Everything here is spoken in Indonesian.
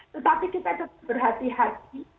tetapi kita tetap berhati hati